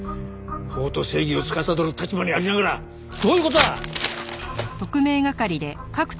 法と正義をつかさどる立場にありながらどういう事だ！？